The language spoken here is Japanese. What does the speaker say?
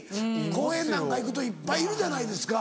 公園なんか行くといっぱいいるじゃないですか。